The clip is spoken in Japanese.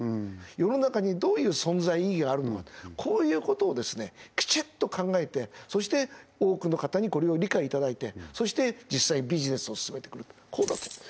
世の中にどういう存在意義があるのかこういうことをきちっと考えてそして多くの方にこれを理解いただいてそして実際ビジネスを進めていくこうだと思います